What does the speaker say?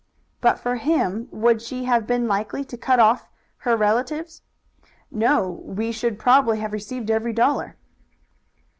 "But for him would she have been likely to cut off her relatives?" "No. We should probably have received every dollar."